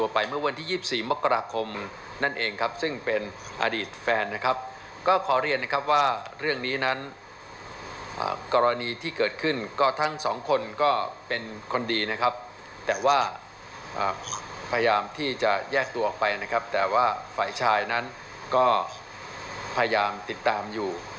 ผู้ชายนั้นก็พยายามติดตามอยู่